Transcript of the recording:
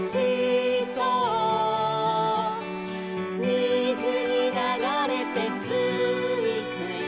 「みずにながれてつーいつい」